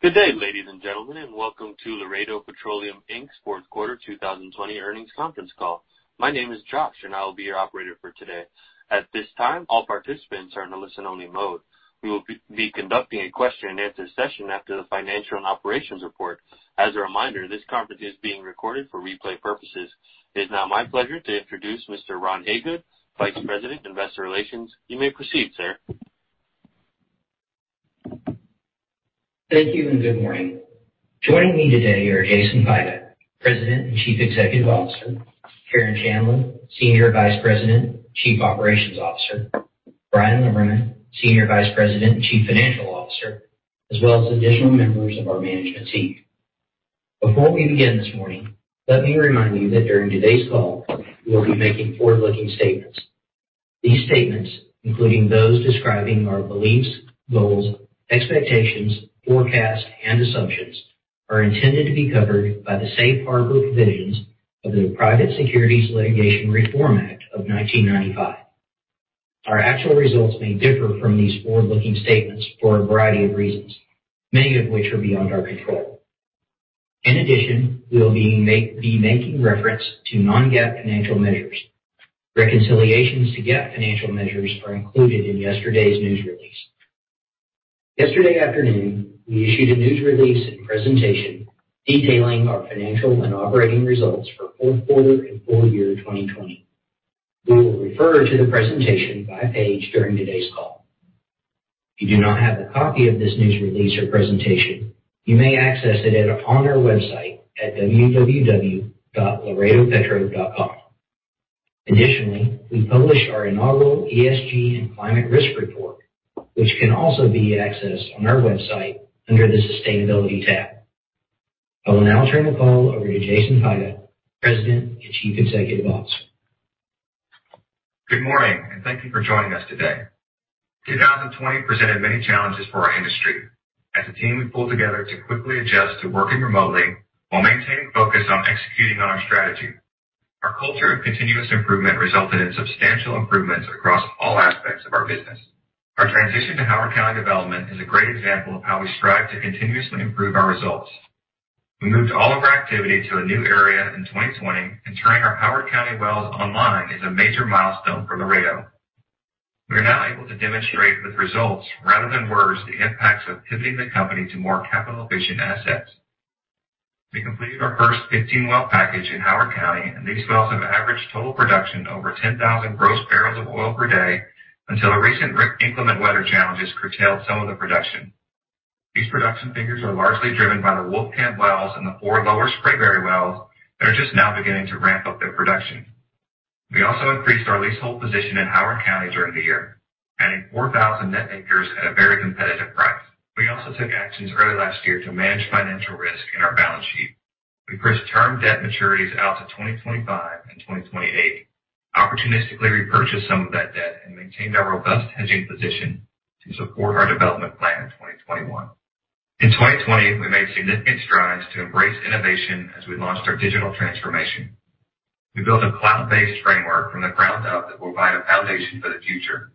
Good day, ladies and gentlemen, and welcome to Laredo Petroleum Inc.'s Q4 2020 earnings conference call. My name is Josh, and I will be your operator for today. At this time, all participants are in a listen-only mode. We will be conducting a question-and-answer session after the financial and operations report. As a reminder, this conference is being recorded for replay purposes. It is now my pleasure to introduce Mr. Ron Hagood, Vice President, Investor Relations. You may proceed, sir. Thank you, and good morning. Joining me today are Jason Pigott, President and Chief Executive Officer, Karen Chandler, Senior Vice President, Chief Operations Officer, Bryan Lemmerman, Senior Vice President and Chief Financial Officer, as well as additional members of our management team. Before we begin this morning, let me remind you that during today's call, we will be making forward-looking statements. These statements, including those describing our beliefs, goals, expectations, forecasts, and assumptions, are intended to be covered by the safe harbor provisions of the Private Securities Litigation Reform Act of 1995. Our actual results may differ from these forward-looking statements for a variety of reasons, many of which are beyond our control. In addition, we will be making reference to non-GAAP financial measures. Reconciliations to GAAP financial measures are included in yesterday's news release. Yesterday afternoon, we issued a news release and presentation detailing our financial and operating results for fourth quarter and full year 2020. We will refer to the presentation by page during today's call. If you do not have a copy of this news release or presentation, you may access it on our website at www.laredopetro.com. Additionally, we published our inaugural ESG and Climate Risk Report, which can also be accessed on our website under the Sustainability tab. I will now turn the call over to Jason Pigott, President and Chief Executive Officer. Good morning, and thank you for joining us today. 2020 presented many challenges for our industry. As a team, we pulled together to quickly adjust to working remotely while maintaining focus on executing on our strategy. Our culture of continuous improvement resulted in substantial improvements across all aspects of our business. Our transition to Howard County development is a great example of how we strive to continuously improve our results. We moved all of our activity to a new area in 2020, and turning our Howard County wells online is a major milestone for Laredo. We are now able to demonstrate with results rather than words the impacts of pivoting the company to more capital-efficient assets. We completed our first 15-well package in Howard County. These wells have averaged total production over 10,000 gross barrels of oil per day until the recent inclement weather challenges curtailed some of the production. These production figures are largely driven by the Wolfcamp wells and the four Lower Spraberry wells that are just now beginning to ramp up their production. We also increased our leasehold position in Howard County during the year, adding 4,000 net acres at a very competitive price. We also took actions early last year to manage financial risk in our balance sheet. We pushed term debt maturities out to 2025 and 2028, opportunistically repurchased some of that debt, and maintained our robust hedging position to support our development plan in 2021. In 2020, we made significant strides to embrace innovation as we launched our digital transformation. We built a cloud-based framework from the ground up that will provide a foundation for the future.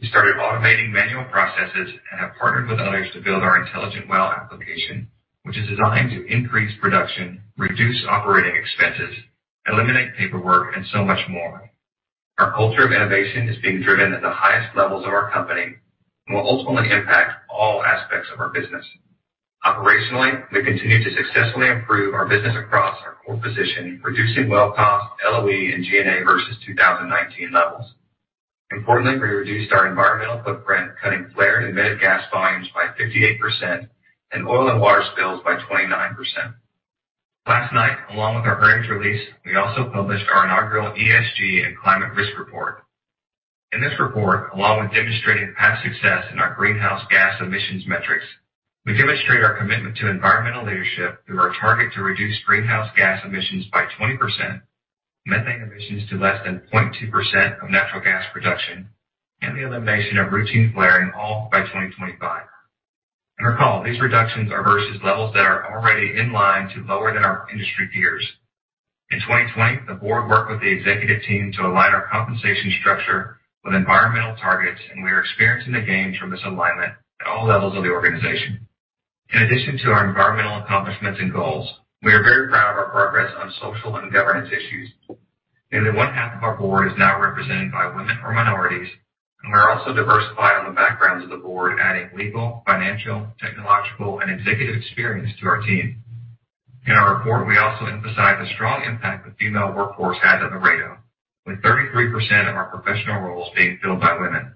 We started automating manual processes and have partnered with others to build our intelligent well application, which is designed to increase production, reduce operating expenses, eliminate paperwork, and so much more. Our culture of innovation is being driven at the highest levels of our company and will ultimately impact all aspects of our business. Operationally, we continue to successfully improve our business across our core position, reducing well cost, LOE, and G&A versus 2019 levels. Importantly, we reduced our environmental footprint, cutting flared emitted gas volumes by 58% and oil and water spills by 29%. Last night, along with our earnings release, we also published our inaugural ESG and Climate Risk Report. In this report, along with demonstrating past success in our greenhouse gas emissions metrics, we demonstrate our commitment to environmental leadership through our target to reduce greenhouse gas emissions by 20%, methane emissions to less than 0.2% of natural gas production, and the elimination of routine flaring, all by 2025. Recall, these reductions are versus levels that are already in line to lower than our industry peers. In 2020, the board worked with the executive team to align our compensation structure with environmental targets. We are experiencing the gains from this alignment at all levels of the organization. In addition to our environmental accomplishments and goals, we are very proud of our progress on social and governance issues. Nearly one-half of our board is now represented by women or minorities. We are also diversified on the backgrounds of the board, adding legal, financial, technological, and executive experience to our team. In our report, we also emphasize the strong impact the female workforce has at Laredo, with 33% of our professional roles being filled by women.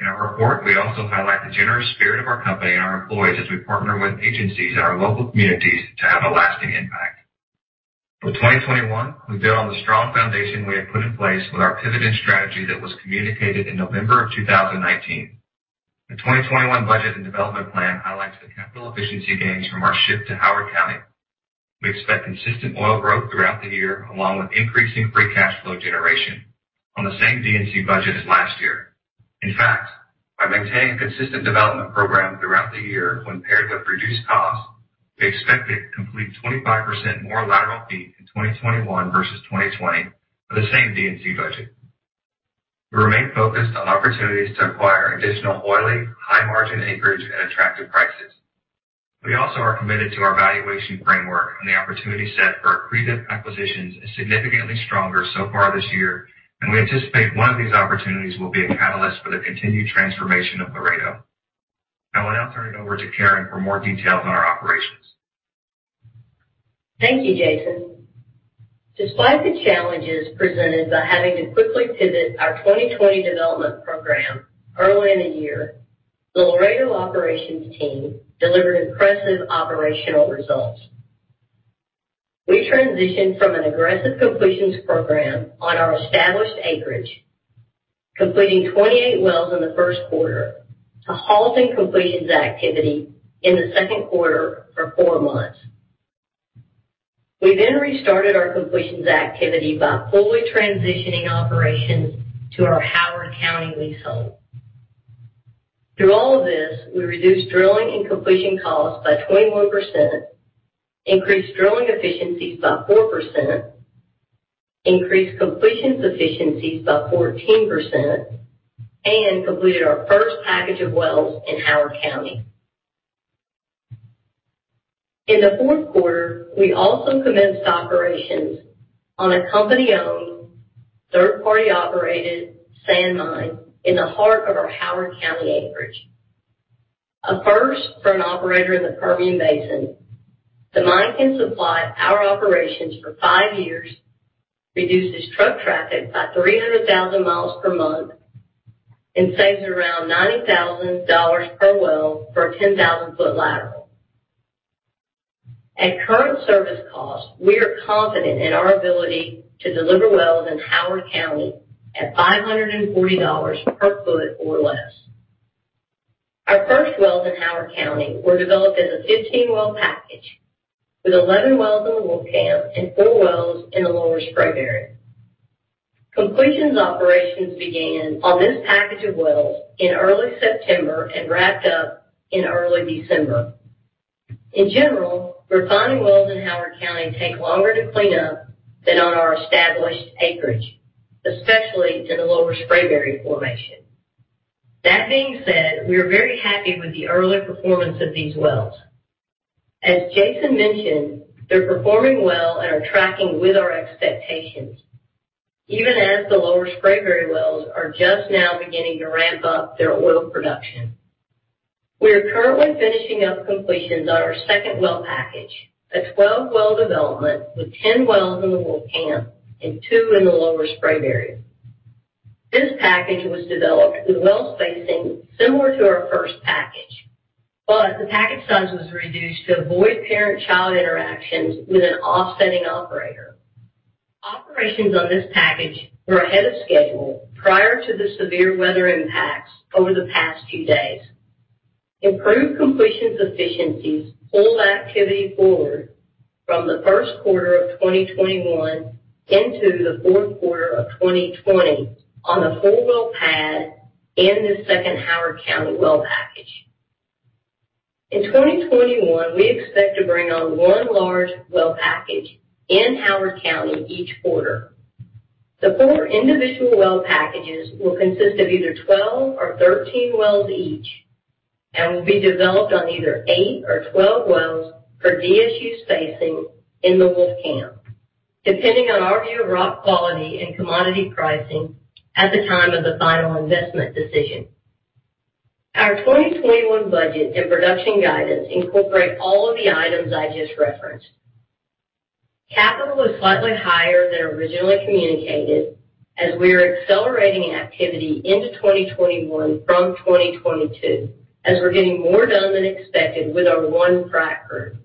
In our report, we also highlight the generous spirit of our company and our employees as we partner with agencies in our local communities to have a lasting impact. For 2021, we build on the strong foundation we have put in place with our pivoting strategy that was communicated in November of 2019. The 2021 budget and development plan highlights the capital efficiency gains from our shift to Howard County. We expect consistent oil growth throughout the year, along with increasing free cash flow generation on the same D&C budget as last year. In fact, by maintaining a consistent development program throughout the year when paired with reduced costs, we expect to complete 25% more lateral feet in 2021 versus 2020 with the same D&C budget. We remain focused on opportunities to acquire additional oily, high-margin acreage at attractive prices. We also are committed to our valuation framework, and the opportunity set for accretive acquisitions is significantly stronger so far this year, and we anticipate one of these opportunities will be a catalyst for the continued transformation of Laredo. I will now turn it over to Karen for more details on our operations. Thank you, Jason. Despite the challenges presented by having to quickly pivot our 2020 development program early in the year, the Laredo operations team delivered impressive operational results. We transitioned from an aggressive completions program on our established acreage, completing 28 wells in the first quarter, to halting completions activity in the second quarter for four months. We then restarted our completions activity by fully transitioning operations to our Howard County leasehold. Through all of this, we reduced drilling and completion costs by 21%, increased drilling efficiencies by 4%, increased completions efficiencies by 14%, and completed our first package of wells in Howard County. In the fourth quarter, we also commenced operations on a company-owned, third-party-operated sand mine in the heart of our Howard County acreage. A first for an operator in the Permian Basin, the mine can supply our operations for 5 years, reduces truck traffic by 300,000 miles per month, and saves around $90,000 per well for a 10,000-foot lateral. At current service costs, we are confident in our ability to deliver wells in Howard County at $540 per foot or less. Our first wells in Howard County were developed as a 15-well package, with 11 wells in the Wolfcamp and four wells in the Lower Spraberry. Completions operations began on this package of wells in early September and wrapped up in early December. In general, we're finding wells in Howard County take longer to clean up than on our established acreage, especially in the Lower Spraberry formation. That being said, we are very happy with the early performance of these wells. As Jason mentioned, they're performing well and are tracking with our expectations, even as the Lower Spraberry wells are just now beginning to ramp up their oil production. We are currently finishing up completions on our second well package, a 12-well development with 10 wells in the Wolfcamp and two in the Lower Spraberry. This package was developed with well spacing similar to our first package, but the package size was reduced to avoid parent-child interactions with an offsetting operator. Operations on this package were ahead of schedule prior to the severe weather impacts over the past few days. Improved completions efficiencies pulled activity forward from Q1 of 2021 into Q4 of 2020 on a full well pad in the second Howard County well package. In 2021, we expect to bring on one large well package in Howard County each quarter. The four individual well packages will consist of either 12 or 13 wells each and will be developed on either eight or 12 wells per DSU spacing in the Wolfcamp, depending on our view of rock quality and commodity pricing at the time of the final investment decision. Our 2021 budget and production guidance incorporate all of the items I just referenced. Capital is slightly higher than originally communicated, as we are accelerating activity into 2021 from 2022, as we're getting more done than expected with our one fracker.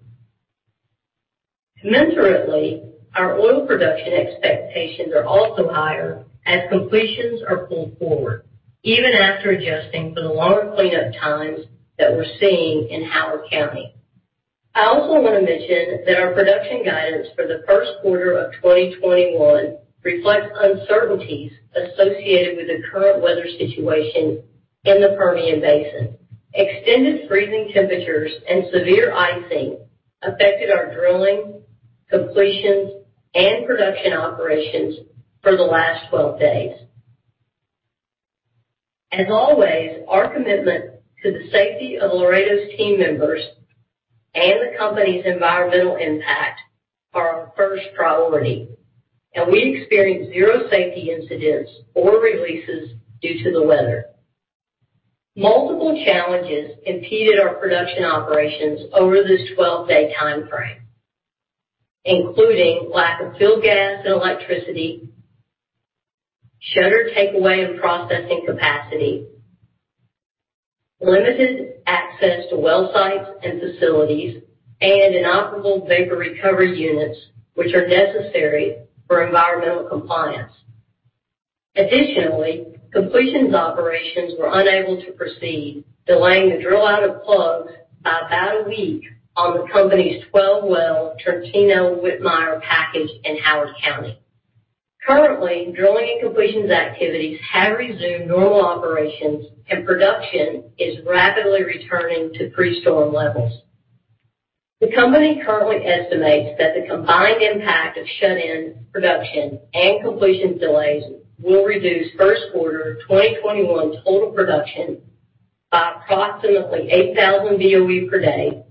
Commensurately, our oil production expectations are also higher as completions are pulled forward, even after adjusting for the longer cleanup times that we're seeing in Howard County. I also want to mention that our production guidance for Q1 of 2021 reflects uncertainties associated with the current weather situation in the Permian Basin. Extended freezing temperatures and severe icing affected our drilling, completions, and production operations for the last 12 days. As always, our commitment to the safety of Laredo's team members and the company's environmental impact are our first priority, and we experienced zero safety incidents or releases due to the weather. Multiple challenges impeded our production operations over this 12-day timeframe, including lack of fuel gas and electricity, shuttered takeaway and processing capacity, limited access to well sites and facilities, and inoperable vapor recovery units, which are necessary for environmental compliance. Additionally, completions operations were unable to proceed, delaying the drill out of plugs by about a week on the company's 12-well Tercero-Whitmire package in Howard County. Currently, drilling and completions activities have resumed normal operations and production is rapidly returning to pre-storm levels. The company currently estimates that the combined impact of shut-in production and completion delays will reduce first quarter 2021 total production by approximately 8,000 BOE per day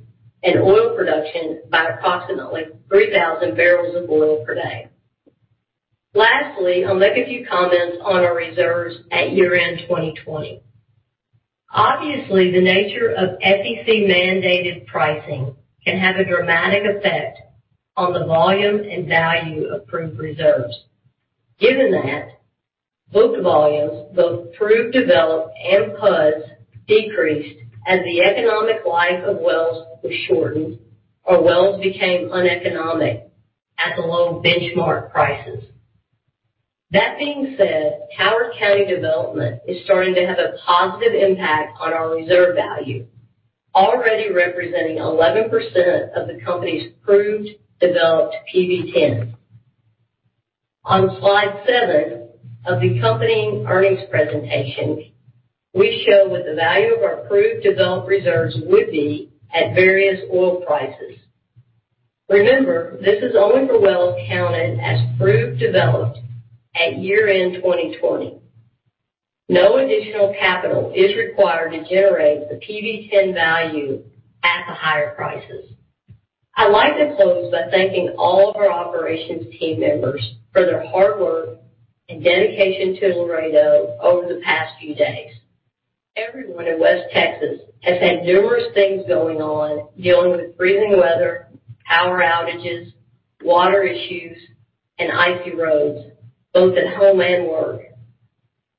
and oil production by approximately 3,000 barrels of oil per day. Lastly, I'll make a few comments on our reserves at year-end 2020. Obviously, the nature of SEC-mandated pricing can have a dramatic effect on the volume and value of proved reserves. Given that, book volumes, both proved developed and PUDs decreased as the economic life of wells was shortened, our wells became uneconomic at the low benchmark prices. That being said, Howard County development is starting to have a positive impact on our reserve value, already representing 11% of the company's proved developed PV-10. On slide seven of the company earnings presentation, we show what the value of our proved developed reserves would be at various oil prices. Remember, this is only for wells counted as proved developed at year-end 2020. No additional capital is required to generate the PV-10 value at the higher prices. I'd like to close by thanking all of our operations team members for their hard work and dedication to Laredo over the past few days. Everyone in West Texas has had numerous things going on, dealing with freezing weather, power outages, water issues, and icy roads, both at home and work.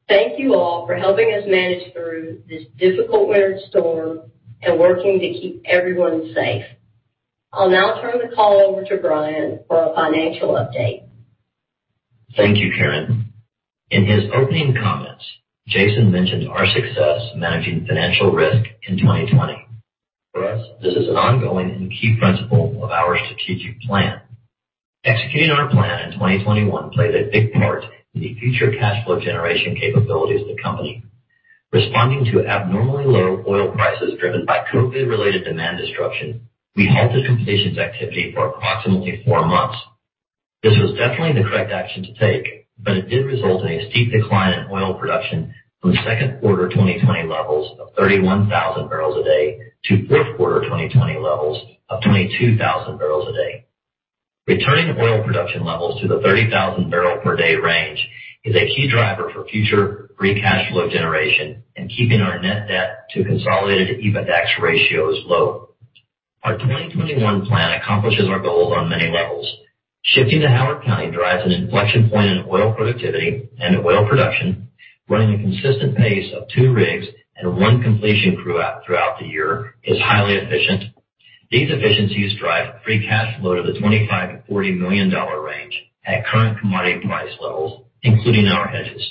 Thank you all for helping us manage through this difficult winter storm and working to keep everyone safe. I'll now turn the call over to Bryan for a financial update. Thank you, Karen. In his opening comments, Jason mentioned our success managing financial risk in 2020. For us, this is an ongoing and key principle of our strategic plan. Executing our plan in 2021 played a big part in the future cash flow generation capabilities of the company. Responding to abnormally low oil prices driven by COVID-related demand destruction, we halted completions activity for approximately four months. This was definitely the correct action to take, but it did result in a steep decline in oil production from Q2 2020 levels of 31,000 barrels a day to Q4 2020 levels of 22,000 barrels a day. Returning oil production levels to the 30,000 barrel per day range is a key driver for future free cash flow generation and keeping our net debt to consolidated EBITDAX ratios low. Our 2021 plan accomplishes our goals on many levels. Shifting to Howard County drives an inflection point in oil productivity and oil production. Running a consistent pace of two rigs and one completion crew throughout the year is highly efficient. These efficiencies drive free cash flow to the $25 million-$40 million range at current commodity price levels, including our hedges.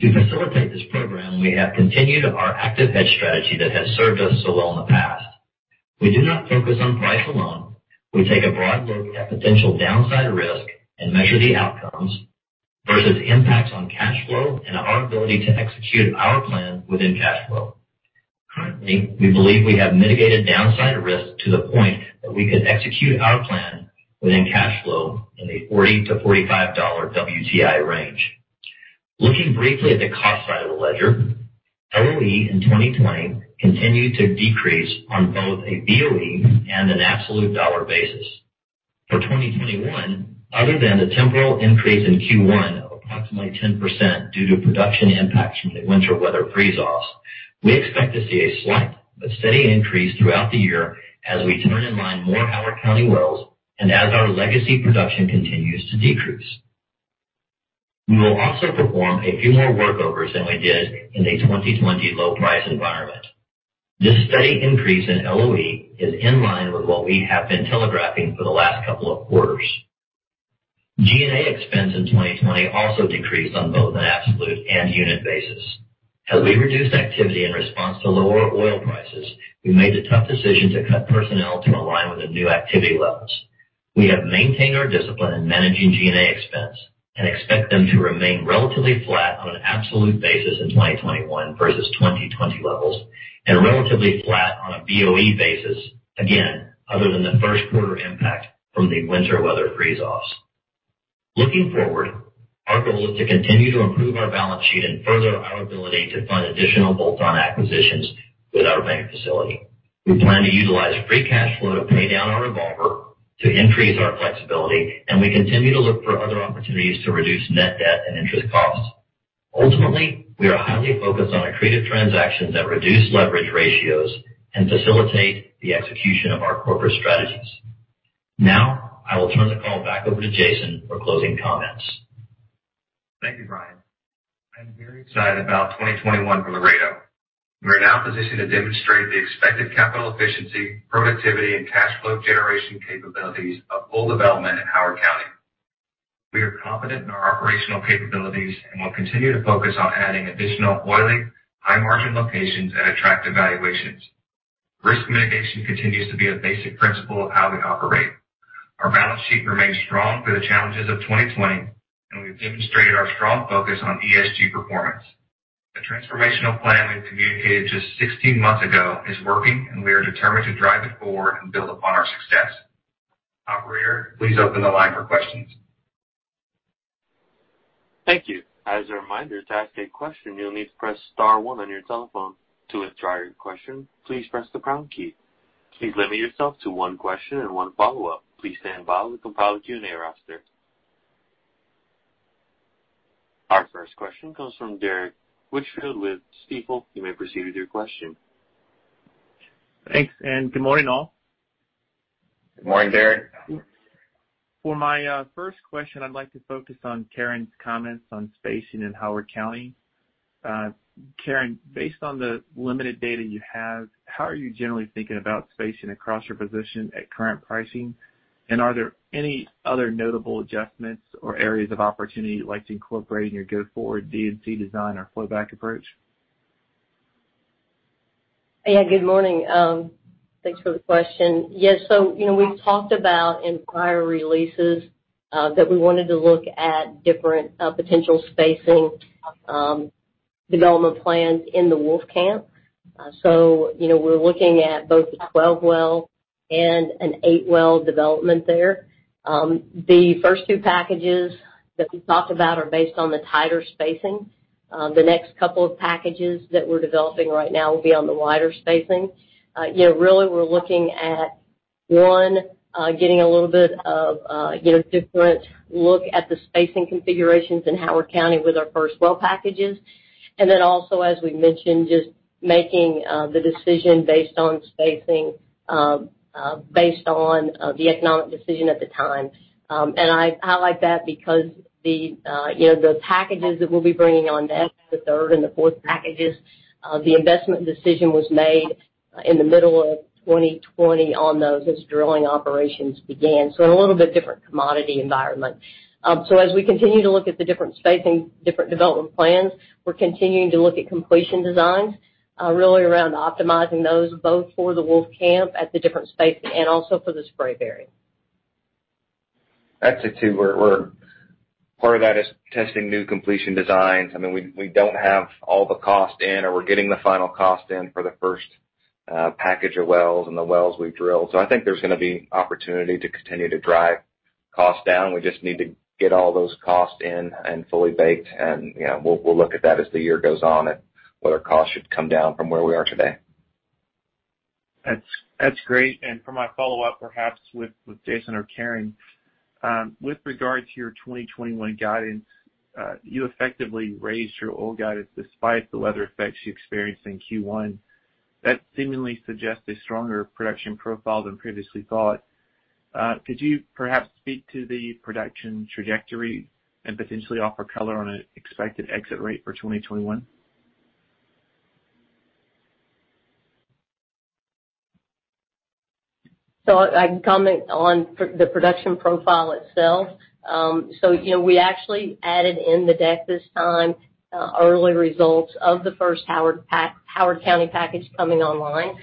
To facilitate this program, we have continued our active hedge strategy that has served us so well in the past. We do not focus on price alone. We take a broad look at potential downside risk and measure the outcomes versus impacts on cash flow and our ability to execute our plan within cash flow. Currently, we believe we have mitigated downside risk to the point that we could execute our plan within cash flow in a $40-$45 WTI range. Looking briefly at the cost side of the ledger, LOE in 2020 continued to decrease on both a BOE and an absolute dollar basis. For 2021, other than a temporal increase in Q1 of approximately 10% due to production impacts from the winter weather freeze-offs, we expect to see a slight but steady increase throughout the year as we turn in line more Howard County wells and as our legacy production continues to decrease. We will also perform a few more workovers than we did in the 2020 low-price environment. This steady increase in LOE is in line with what we have been telegraphing for the last couple of quarters. G&A expense in 2020 also decreased on both an absolute and unit basis. As we reduced activity in response to lower oil prices, we made the tough decision to cut personnel to align with the new activity levels. We have maintained our discipline in managing G&A expense and expect them to remain relatively flat on an absolute basis in 2021 versus 2020 levels, and relatively flat on a BOE basis, again, other than the first quarter impact from the winter weather freeze-offs. Looking forward, our goal is to continue to improve our balance sheet and further our ability to fund additional bolt-on acquisitions with our bank facility. We plan to utilize free cash flow to pay down our revolver to increase our flexibility, and we continue to look for other opportunities to reduce net debt and interest costs. Ultimately, we are highly focused on accretive transactions that reduce leverage ratios and facilitate the execution of our corporate strategies. Now, I will turn the call back over to Jason for closing comments. Thank you, Bryan. I'm very excited about 2021 for Laredo. We're now positioned to demonstrate the expected capital efficiency, productivity, and cash flow generation capabilities of full development in Howard County. We are confident in our operational capabilities and will continue to focus on adding additional oily, high-margin locations at attractive valuations. Risk mitigation continues to be a basic principle of how we operate. Our balance sheet remains strong through the challenges of 2020, and we've demonstrated our strong focus on ESG performance. The transformational plan we've communicated just 16 months ago is working, and we are determined to drive it forward and build upon our success. Operator, please open the line for questions. Thank you. As a reminder, to ask a question, you'll need to press star one on your telephone. To withdraw your question, please press the pound key. Please limit yourself to one question and one follow-up. Please stand by while we compile a Q&A roster. Our first question comes from Derrick Whitfield with Stifel. You may proceed with your question. Thanks. Good morning, all. Good morning, Derrick. For my first question, I'd like to focus on Karen's comments on spacing in Howard County. Karen, based on the limited data you have, how are you generally thinking about spacing across your position at current pricing? Are there any other notable adjustments or areas of opportunity you'd like to incorporate in your go forward D&C design or flow back approach? Yeah, good morning. Thanks for the question. Yes. We've talked about in prior releases, that we wanted to look at different potential spacing, development plans in the Wolfcamp. We're looking at both the 12-well and an 8-well development there. The first two packages that we talked about are based on the tighter spacing. The next couple of packages that we're developing right now will be on the wider spacing. Really we're looking at, one, getting a little bit of different look at the spacing configurations in Howard County with our first well packages. Also, as we've mentioned, just making the decision based on spacing, based on the economic decision at the time. I highlight that because the packages that we'll be bringing on next, the third and the fourth packages, the investment decision was made in the middle of 2020 on those as drilling operations began, so in a little bit different commodity environment. As we continue to look at the different spacing, different development plans, we're continuing to look at completion designs, really around optimizing those both for the Wolfcamp at the different spacing and also for the Spraberry. Actually too, part of that is testing new completion designs. We don't have all the cost in, or we're getting the final cost in for the first package of wells and the wells we've drilled. I think there's going to be opportunity to continue to drive costs down. We just need to get all those costs in and fully baked, and we'll look at that as the year goes on at whether costs should come down from where we are today. That's great. For my follow-up, perhaps with Jason or Karen, with regard to your 2021 guidance, you effectively raised your old guidance despite the weather effects you experienced in Q1. That seemingly suggests a stronger production profile than previously thought. Could you perhaps speak to the production trajectory and potentially offer color on an expected exit rate for 2021? I can comment on the production profile itself. We actually added in the deck this time, early results of the first Howard County package coming online.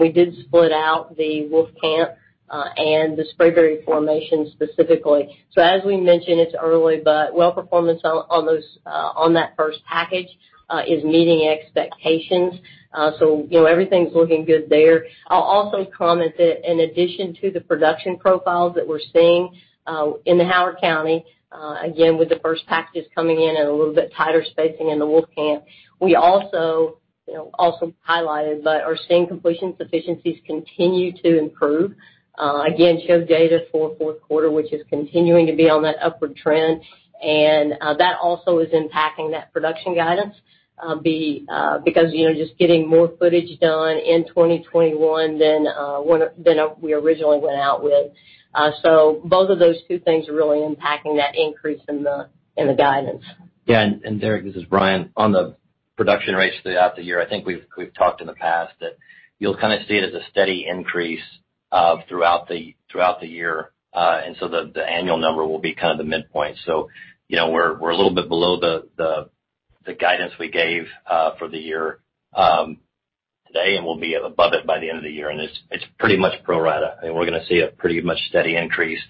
We did split out the Wolfcamp and the Spraberry formation specifically. As we mentioned, it's early, but well performance on that first package is meeting expectations. Everything's looking good there. I'll also comment that in addition to the production profiles that we're seeing in the Howard County, again, with the first packages coming in and a little bit tighter spacing in the Wolfcamp, we also highlighted, but are seeing completion efficiencies continue to improve. Again, showed data for Q4, which is continuing to be on that upward trend. That also is impacting that production guidance, because just getting more footage done in 2021 than we originally went out with. Both of those two things are really impacting that increase in the guidance. Derrick, this is Bryan. On the production rates throughout the year, I think we've talked in the past that you'll see it as a steady increase throughout the year. The annual number will be the midpoint. We're a little bit below the guidance we gave for the year today, and we'll be above it by the end of the year. It's pretty much pro rata. We're going to see a pretty much steady increase.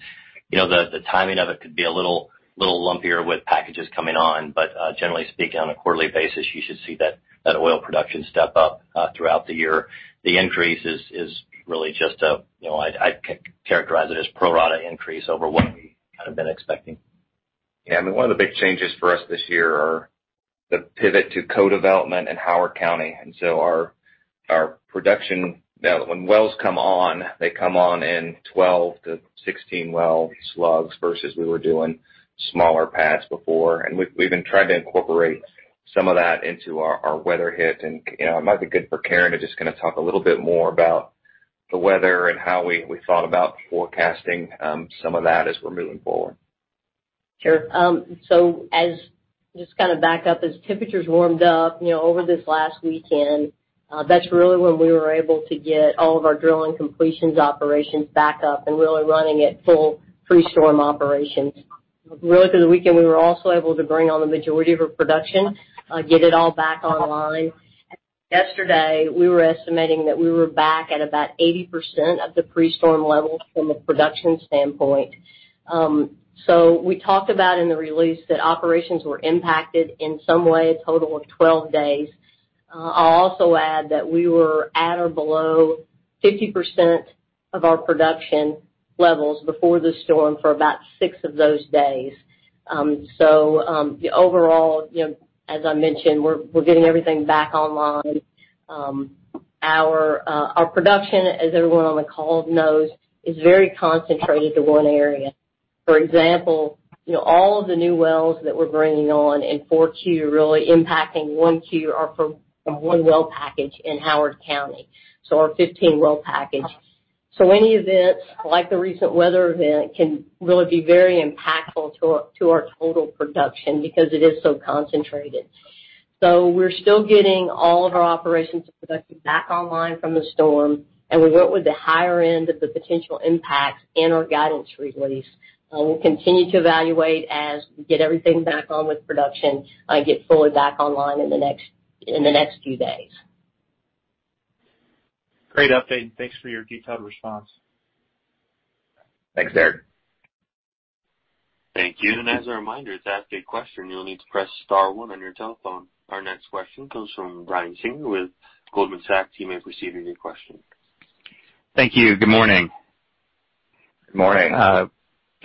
The timing of it could be a little lumpier with packages coming on. Generally speaking, on a quarterly basis, you should see that oil production step up throughout the year. The increase is really just a I'd characterize it as pro rata increase over what we kind of been expecting. One of the big changes for us this year are the pivot to co-development in Howard County. Our production now, when wells come on, they come on in 12-16 well slugs versus we were doing smaller pads before. We've been trying to incorporate some of that into our weather hit. It might be good for Karen to just talk a little bit more about the weather and how we thought about forecasting some of that as we're moving forward. Sure. Just to back up, as temperatures warmed up over this last weekend, that's really when we were able to get all of our drilling completions operations back up and really running at full pre-storm operations. Through the weekend, we were also able to bring on the majority of our production, get it all back online. Yesterday, we were estimating that we were back at about 80% of the pre-storm level from the production standpoint. We talked about in the release that operations were impacted in some way, a total of 12 days. I'll also add that we were at or below 50% of our production levels before the storm for about six of those days. Overall, as I mentioned, we're getting everything back online. Our production, as everyone on the call knows, is very concentrated to one area. For example, all of the new wells that we're bringing on in Q4, really impacting Q1 are from 1 well package in Howard County, so our 15-well package. Any events like the recent weather event can really be very impactful to our total production because it is so concentrated. We're still getting all of our operations and production back online from the storm, and we went with the higher end of the potential impact in our guidance release. We'll continue to evaluate as we get everything back on with production and get fully back online in the next few days. Great update, and thanks for your detailed response. Thanks, Derrick. Thank you. As a reminder, to ask a question, you'll need to press star one on your telephone. Our next question comes from Brian Singer with Goldman Sachs. You may proceed with your question. Thank you. Good morning. Good morning.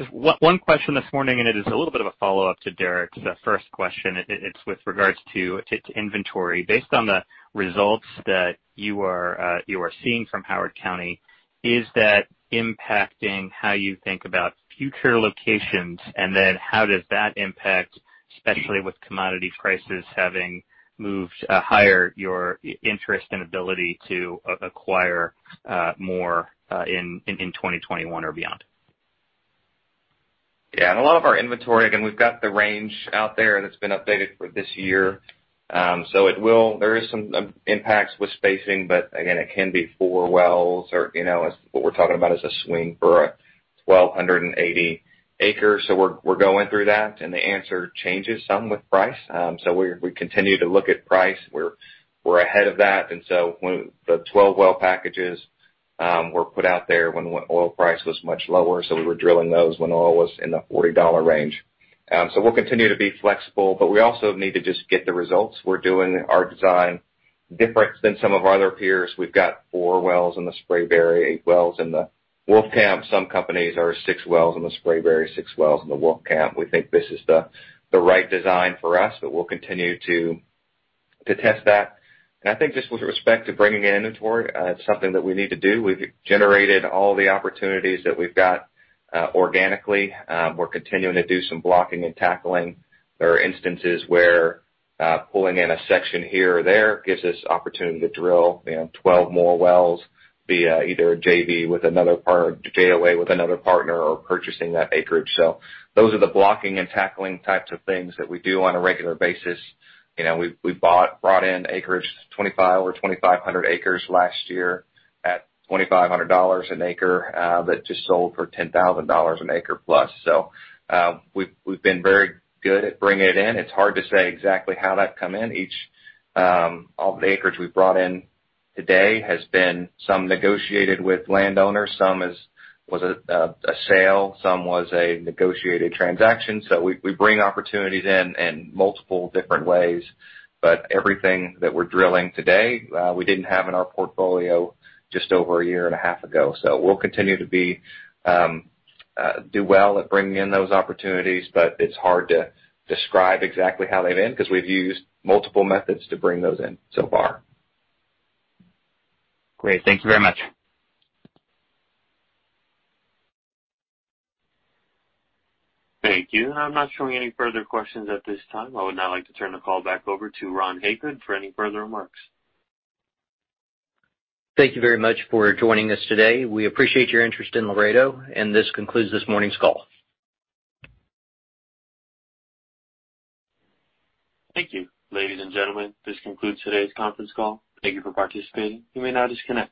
Just one question this morning. It is a little bit of a follow-up to Derrick's first question. It's with regards to inventory. Based on the results that you are seeing from Howard County, is that impacting how you think about future locations? How does that impact, especially with commodity prices having moved higher, your interest and ability to acquire more in 2021 or beyond? Yeah. A lot of our inventory, again, we've got the range out there that's been updated for this year. There is some impacts with spacing, but again, it can be four wells. What we're talking about is a swing for 1,280 acres. We're going through that, and the answer changes some with price. We continue to look at price. We're ahead of that. When the 12-well packages were put out there when oil price was much lower, so we were drilling those when oil was in the $40 range. We'll continue to be flexible, but we also need to just get the results. We're doing our design different than some of our other peers. We've got four wells in the Spraberry, eight wells in the Wolfcamp. Some companies are six wells in the Spraberry, six wells in the Wolfcamp. We think this is the right design for us. We'll continue to test that. I think just with respect to bringing in inventory, it's something that we need to do. We've generated all the opportunities that we've got organically. We're continuing to do some blocking and tackling. There are instances where pulling in a section here or there gives us opportunity to drill 12 more wells via either a JV with another part or JOA with another partner or purchasing that acreage. Those are the blocking and tackling types of things that we do on a regular basis. We brought in acreage, 2,500 acres last year at $2,500 an acre that just sold for $10,000 an acre plus. We've been very good at bringing it in. It's hard to say exactly how that come in. All the acreage we've brought in to date has been some negotiated with landowners, some was a sale, some was a negotiated transaction. We bring opportunities in in multiple different ways. Everything that we're drilling today, we didn't have in our portfolio just over a year and a half ago. We'll continue to do well at bringing in those opportunities. It's hard to describe exactly how they came in, because we've used multiple methods to bring those in so far. Great. Thank you very much. Thank you. I'm not showing any further questions at this time. I would now like to turn the call back over to Ron Hagood for any further remarks. Thank you very much for joining us today. We appreciate your interest in Laredo, and this concludes this morning's call. Thank you. Ladies and gentlemen, this concludes today's conference call. Thank you for participating. You may now disconnect.